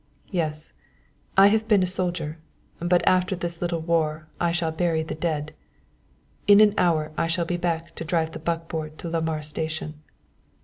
"Yes; I have been a soldier; but after this little war I shall bury the dead. In an hour I shall be back to drive the buckboard to Lamar station."